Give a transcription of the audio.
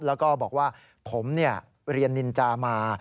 แล้วก็บอกว่าผมเรียนนินจามา